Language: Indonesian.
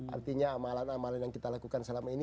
artinya amalan amalan yang kita lakukan selama ini